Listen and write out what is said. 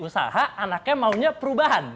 usaha anaknya maunya perubahan